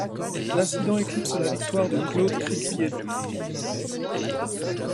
L'incident éclipse la victoire de Claude Criquielion.